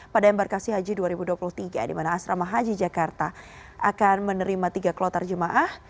pada embarkasi haji dua ribu dua puluh tiga di mana asrama haji jakarta akan menerima tiga kloter jemaah